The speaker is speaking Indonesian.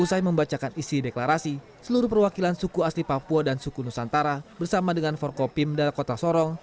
usai membacakan isi deklarasi seluruh perwakilan suku asli papua dan suku nusantara bersama dengan forkopimda kota sorong